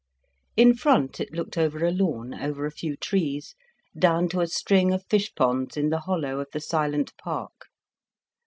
In front, it looked over a lawn, over a few trees, down to a string of fish ponds in the hollow of the silent park.